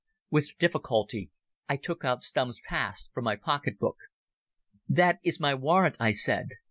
With difficulty I took out Stumm's pass from my pocket book. "That is my warrant," I said.